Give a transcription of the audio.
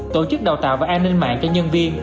tổ chức đào tạo và an ninh mạng cho nhân viên